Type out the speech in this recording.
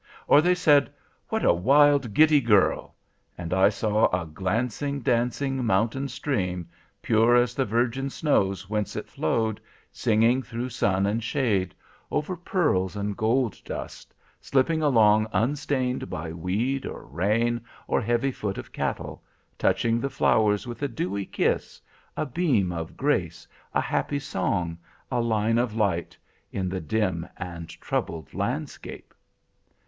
Or they said, 'What a wild, giddy girl!' and I saw a glancing, dancing mountain stream, pure as the virgin snows whence it flowed, singing through sun and shade, over pearls and gold dust, slipping along unstained by weed, or rain, or heavy foot of cattle, touching the flowers with a dewy kiss,—a beam of grace, a happy song, a line of light, in the dim and troubled landscape.